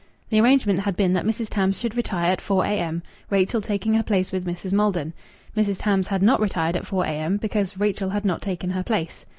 The arrangement had been that Mrs. Tams should retire at 4 a.m., Rachel taking her place with Mrs. Maldon. Mrs. Tams had not retired at 4 a.m. because Rachel had not taken her place.